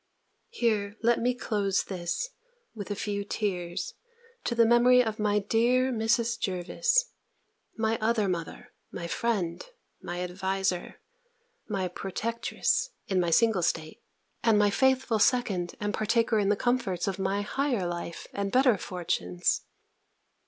Here let me close this, with a few tears, to the memory of my dear Mrs. Jervis, my other mother, my friend, my adviser, my protectress, in my single state; and my faithful second and partaker in the comforts of my higher life, and better fortunes!